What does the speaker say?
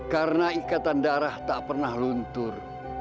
karena ikatan darah tak pernah luntur